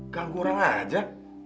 ganggu orang aja